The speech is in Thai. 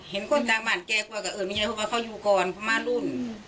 เห็นคนต่างหวัดแกกว่ากับเอ่อนไม่ใช่เพราะว่าเขาอยู่ก่อนประมาณรุ่น